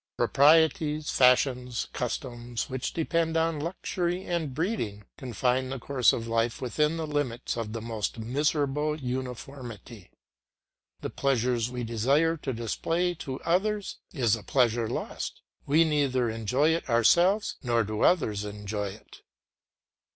Proprieties, fashions, customs which depend on luxury and breeding, confine the course of life within the limits of the most miserable uniformity. The pleasure we desire to display to others is a pleasure lost; we neither enjoy it ourselves, nor do others enjoy it.